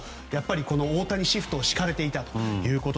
大谷シフトを敷かれていたと。